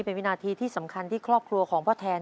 เป็นวินาทีที่สำคัญที่ครอบครัวของพ่อแทน